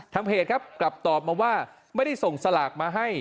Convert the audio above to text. เพจครับกลับตอบมาว่าไม่ได้ส่งสลากมาให้